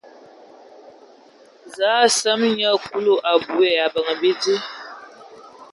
Zəə a seme nyia Kulu abui ai abəŋ bidi.